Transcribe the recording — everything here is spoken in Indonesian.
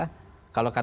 kalau kadarnya terbatas